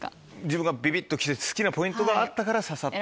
自分がビビっと来て好きなポイントがあったから刺さった。